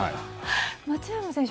松山選手